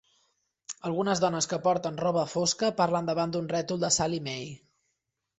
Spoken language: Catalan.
Algunes dones que porten roba fosca parlen davant d'un rètol de Sallie Mae.